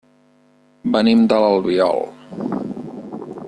Venim de l'Albiol.